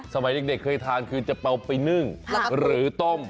สมัยเด็กเคยทานคือจะเอาไปนึ่งหรือต้ม